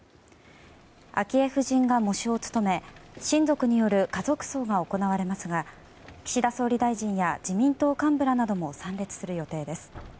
昭恵夫人が喪主を務め親族による家族葬が行われますが岸田総理大臣や自民党幹部らなども参列する予定です。